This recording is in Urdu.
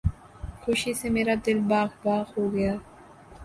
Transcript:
خوشی سے میرا دل باغ باغ ہو گیا